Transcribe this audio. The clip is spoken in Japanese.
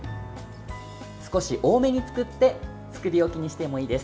少し多めに作って作り置きにしてもいいです。